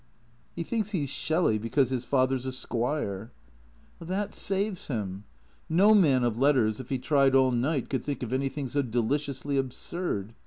" He thinks he 's Shelley, because his father 's a squire." THECREATOES 81 " That saves him. No man of letters, if he tried all night, could think anything so deliciously absurd.